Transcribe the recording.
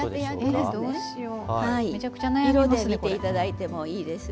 色で見てただいてもいいですし。